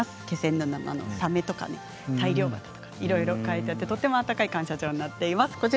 気仙沼のサメとか大漁旗とかいろいろ描いてあってとても温かい感謝状になっています。